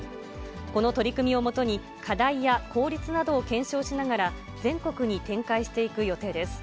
この取り組みを基に、課題や効率などを検証しながら、全国に展開していく予定です。